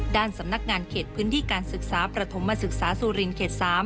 ด้านสำนักงานเขตพื้นที่การศึกษาประถมศึกษาสุรินเขต๓